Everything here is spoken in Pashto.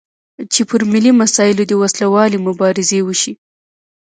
چې پر ملي مسایلو دې وسلوالې مبارزې وشي.